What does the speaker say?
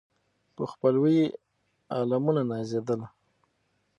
په خپلوي یې عالمونه نازېدله